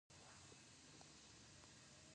ژمی د افغانانو د تفریح یوه وسیله ده.